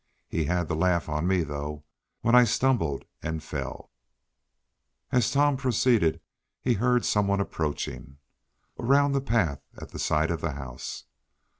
He had the laugh on me, though, when I stumbled and fell." As Tom proceeded he heard some one approaching, around the path at the side of the house.